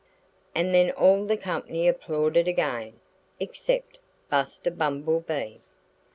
And then all the company applauded again except Buster Bumblebee.